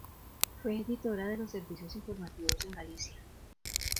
Fue editora de los servicios informativos en Galicia.